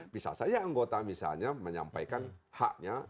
bisa saja anggota misalnya menyampaikan haknya